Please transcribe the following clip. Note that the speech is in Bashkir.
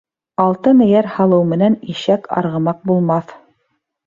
Алтын эйәр һалыу менән ишәк арғымаҡ булмаҫ.